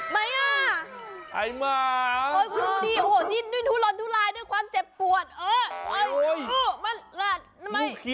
โปรดติดตามตอนต่อไป